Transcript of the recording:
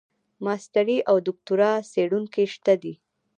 ماسټري او دوکتورا څېړونکي شته دي.